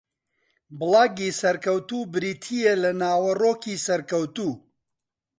بڵاگی سەرکەوتوو بریتییە لە ناوەڕۆکی سەرکەوتوو